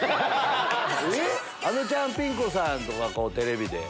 あのちゃんピン子さんとかテレビで。